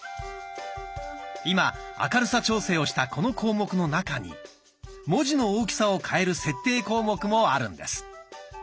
今明るさ調整をしたこの項目の中に文字の大きさを変える設定項目もあるんです。